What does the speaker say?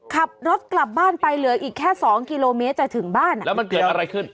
ขับรถกลับบ้านไปเหลืออีกแค่สองกิโลเมตรจะถึงบ้านอ่ะแล้วมันเกิดอะไรขึ้น